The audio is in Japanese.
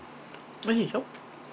おいしいでしょ？